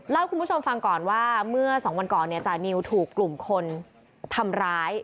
ให้คุณผู้ชมฟังก่อนว่าเมื่อสองวันก่อนเนี่ยจานิวถูกกลุ่มคนทำร้าย